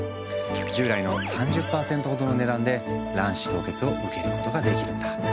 従来の３０％ほどの値段で卵子凍結を受けることができるんだ。